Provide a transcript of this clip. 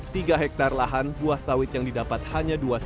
tiga hektare lahan buah sawit yang didapat hanya